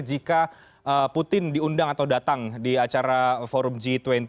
jika putin diundang atau datang di acara forum g dua puluh